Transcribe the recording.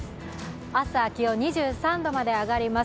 朝、気温２３度まで上がります。